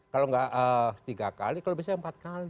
kalau nggak tiga kali kalau bisa empat kali